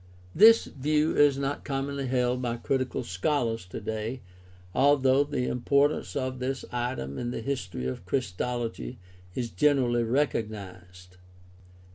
This view is not commonly held by critical scholars today, although the importance of this item in the history of Christology is generally recognized.